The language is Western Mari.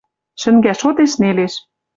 Шӹнгӓ шотеш нелеш.